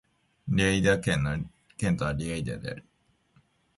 リェイダ県の県都はリェイダである